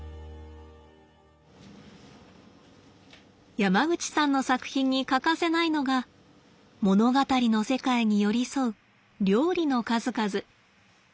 山口さんの作品に欠かせないのが物語の世界に寄り添う料理の数々。